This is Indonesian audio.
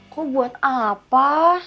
kok buat apa